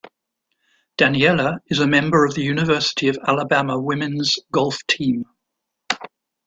Daniela is a member of the University of Alabama Women's Golf Team.